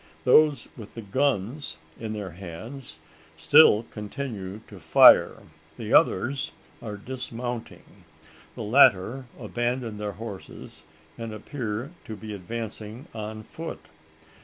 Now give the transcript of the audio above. Those with the guns in their hands still continue to fire; the others are dismounting. The latter abandon their horses, and appear to be advancing on foot.